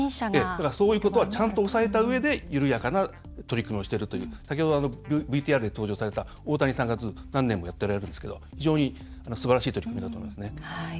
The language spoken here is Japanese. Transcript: そういうことはちゃんと押さえたうえで緩やかな取り組みをしているという先ほど、ＶＴＲで登場された大谷さんが、ずっと何年もやってられるんですけど非常にすばらしい取り組みだと思いますね。